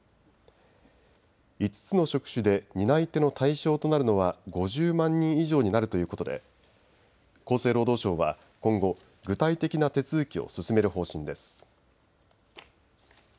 ５つの職種で担い手の対象となるのは５０万人以上になるということで厚生労働省は今後、具体的な手続きを進める方針です。